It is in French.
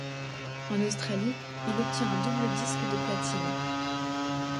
En Australie, il obtient un double disque de platine.